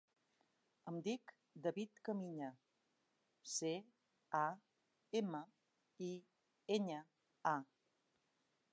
Em dic David Camiña: ce, a, ema, i, enya, a.